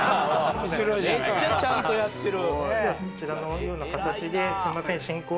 めっちゃちゃんとやってる」